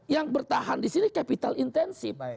yang bertahan di sini capital intensif